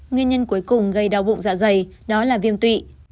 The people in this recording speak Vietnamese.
nguyên nhân cuối cùng gây đau bụng dạ dày đó là viêm tụy